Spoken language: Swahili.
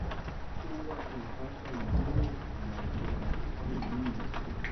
huwa tunapata ndiyo na kwa kufanya nini